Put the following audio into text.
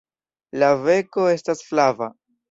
La beko estas flava.